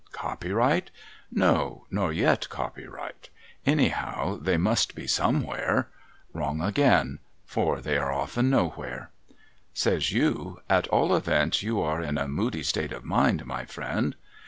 Copyright? No, nor yet copyright. Anyhow they must be somewhere ? Wrong again, for they are often nowhere. _ Says you, ' At all events, you are in a moody state of mind, my friend.'